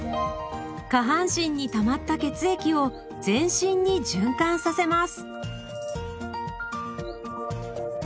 下半身にたまった血液を全身に循環させます。